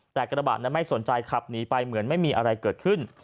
แต่กระบะนั้นไม่สนใจขับหนีไปเหมือนไม่มีอะไรเกิดขึ้น